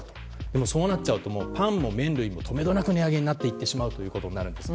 でも、そうなっちゃうとパンも麺類もとめどなく値上げになってしまうということになるんです。